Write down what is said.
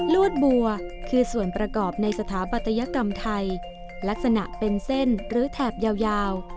วดบัวคือส่วนประกอบในสถาปัตยกรรมไทยลักษณะเป็นเส้นหรือแถบยาว